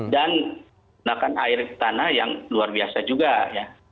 dan menggunakan air tanah yang luar biasa juga ya